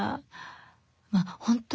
まぁ本当